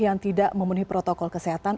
yang tidak memenuhi protokol kesehatan